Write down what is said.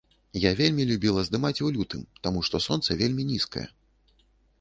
Я вельмі любіла здымаць у лютым, таму што сонца вельмі нізкае.